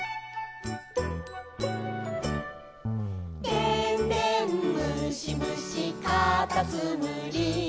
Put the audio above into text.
「でんでんむしむしかたつむり」